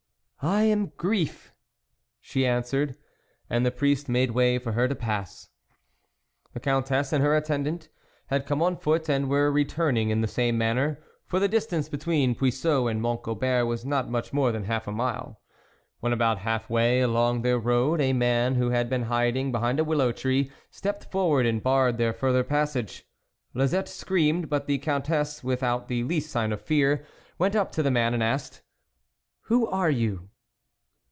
" I am Grief," she answered, and the priest made way for her to pass. The Countess and her attendant had come on foot, and were returning in the same manner, for the distance between Puiseux and Mont Gobert was not much more than half a mile. When about half way along their road, a man, who had been hiding behind a willow tree, stepped forward and barred their further passage. Lisette screamed, but the Countess, with out the least sign of fear, went up to the man, and asked :" Who are you